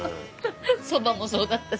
そばもそうだったし。